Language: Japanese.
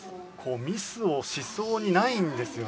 ミスをしそうにないんですよね